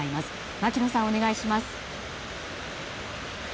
牧野さん、お願いします。